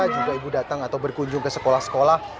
juga ibu datang atau berkunjung ke sekolah sekolah